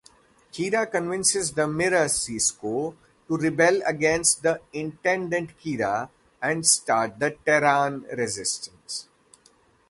Kira convinces the mirror-Sisko to rebel against the Intendant-Kira and start the Terran Resistance.